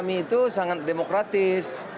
itu sangat demokratis